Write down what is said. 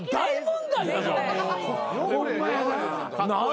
ホンマやな。